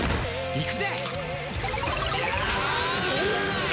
いくぜ！